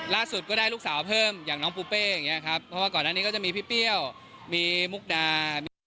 ก็ได้ลูกสาวเพิ่มอย่างน้องปูเป้อย่างนี้ครับเพราะว่าก่อนหน้านี้ก็จะมีพี่เปรี้ยวมีมุกดามี